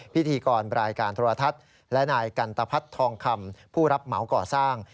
พิธีกรรายการโทรทัศน์และนายกันตะพัฒน์ทองคำผู้รับเหมาก่อสร้าง